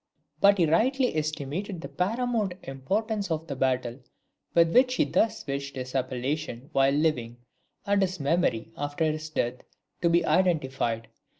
But he rightly estimated the paramount importance of the battle with which he thus wished his appellation while living, and his memory after his death, to be identified.